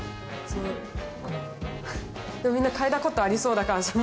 みんな嗅いだことありそうな感じの。